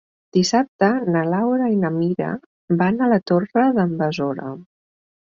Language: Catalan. Dissabte na Laura i na Mira van a la Torre d'en Besora.